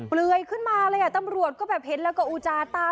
เปลือยขึ้นมาเลยอ่ะตำรวจก็แบบเห็นแล้วก็อูจาตา